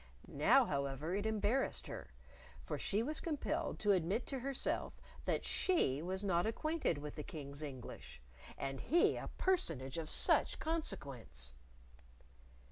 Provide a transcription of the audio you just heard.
Now, however, it embarrassed her, for she was compelled to admit to herself that she was not acquainted with the King's English and he a personage of such consequence!